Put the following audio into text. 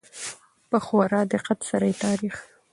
په خورا دقت سره يې تاريخ